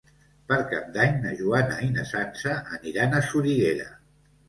Per Cap d'Any na Joana i na Sança aniran a Soriguera.